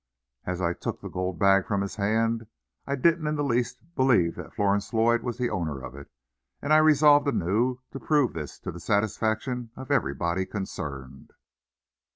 As I took the gold bag from his hand, I didn't in the least believe that Florence Lloyd was the owner of it, and I resolved anew to prove this to the satisfaction of everybody concerned.